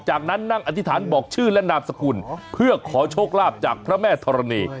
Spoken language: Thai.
จากนั้นนั่งอธิษฐานบอกชื่อและนามสกุลเพื่อขอโชคลาภจากพระแม่ธรณี